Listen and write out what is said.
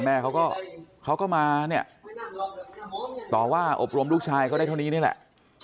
แม่เขาก็เขาก็มาเนี่ยต่อว่าอบรมลูกชายเขาได้เท่านี้นี่แหละ